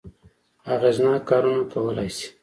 اغېزناک کارونه کولای شي.